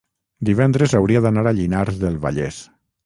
divendres hauria d'anar a Llinars del Vallès.